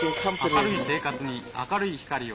明るい生活に明るい光を。